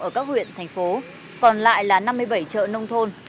ở các huyện thành phố còn lại là năm mươi bảy chợ nông thôn